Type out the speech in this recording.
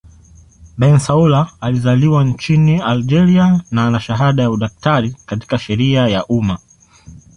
Bensaoula alizaliwa nchini Algeria na ana shahada ya udaktari katika sheria ya umma.